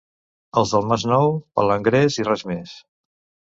Els del Masnou, palangrers i res més.